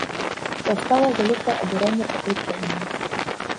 Паўстала вялікае абурэнне па кручэнні.